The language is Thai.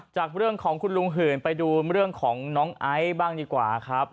จากเรื่องของคุณลุงหื่นไปดูเรื่องของน้องไอซ์บ้างดีกว่าครับ